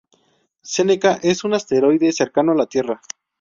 Seneca es un asteroide cercano a la Tierra.